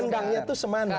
nendangnya itu semana